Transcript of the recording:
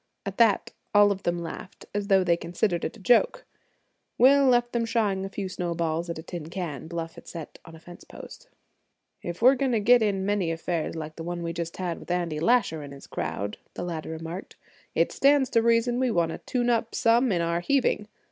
At that all of them laughed, as though they considered it a joke. Will left them shying a few snowballs at a tin can Bluff had set on a fence post. "If we're going to get in many affairs like the one we just had with Andy Lasher and his crowd," the latter remarked, "it stands to reason we want to tune up some in our heaving.